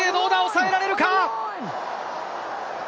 抑えられるか。